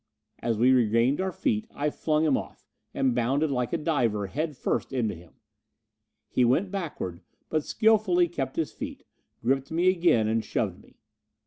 As we regained our feet, I flung him off, and bounded, like a diver, head first into him. He went backward, but skilfully kept his feet, gripped me again and shoved me.